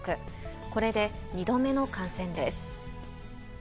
これで２度目の感染です。